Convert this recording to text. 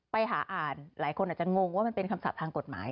ไปหาอ่านหลายคนอาจจะงงว่ามันเป็นคำศัพท์ทางกฎหมาย